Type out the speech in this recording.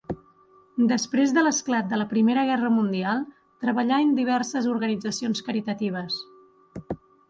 Després de l'esclat de la Primera Guerra Mundial treballà en diverses organitzacions caritatives.